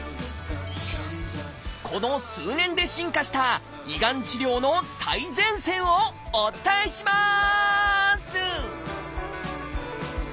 この数年で進化した胃がん治療の最前線をお伝えします！